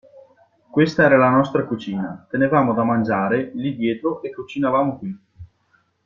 Questa era la nostra cucina. Tenevamo da mangiare, lì dietro e cucinavamo qui.